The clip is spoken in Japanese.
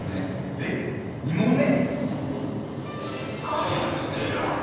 えっ２問目！？